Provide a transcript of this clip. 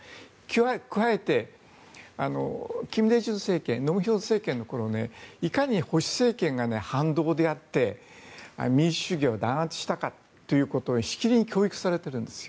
加えて、金大中政権盧武鉉政権の頃いかに保守政権が反動であって民主主義を弾圧したということをしきりに教育されているんです。